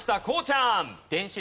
こうちゃん。